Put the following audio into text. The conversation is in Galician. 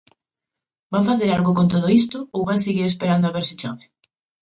¿Van facer algo con todo isto ou van seguir esperando a ver se chove?